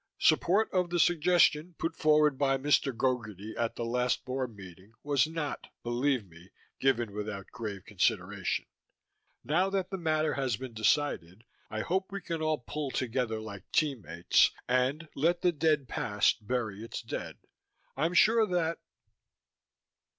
Support of the suggestion put forward by Mr. Gogarty at the last Board meeting was not, believe me, given without grave consideration. Now that the matter has been decided, I hope we can all pull together like team mates, and "let the dead past bury its dead". I'm sure that....